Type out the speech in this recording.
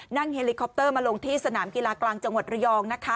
เฮลิคอปเตอร์มาลงที่สนามกีฬากลางจังหวัดระยองนะคะ